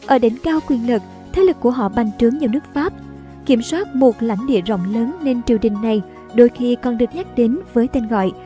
ở đỉnh cao quyền lực thế lực của họ bành trướng vào nước pháp kiểm soát một lãnh địa rộng lớn nên triều đình này đôi khi còn được nhắc đến với tên gọi